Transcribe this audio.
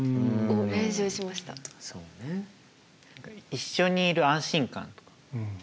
一緒にいる安心感とか。